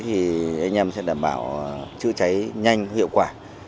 thì anh em sẽ đảm bảo chữa cháy nhanh hiệu quả